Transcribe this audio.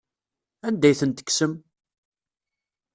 Anda ay tent-tekksem?